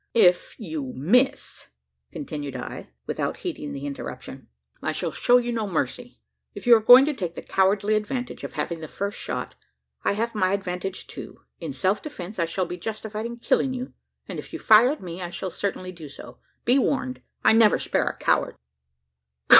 "If you miss," continued I, without heeding the interruption, "I shall show you no mercy. If you are going to take the cowardly advantage of having the the first shot, I have my advantage too. In self defence, I shall be justified in killing you; and if you fire at me, I shall certainly do so. Be warned! I never spare a coward."